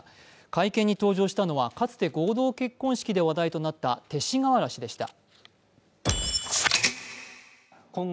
会見に登場したのはかつて合同結婚式で話題となった勅使川原氏でした。